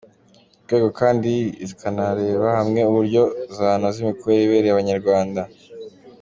rwego kandi zikanarebera hamwe uburyo zanoza imikorere ibereye abanyarwanda.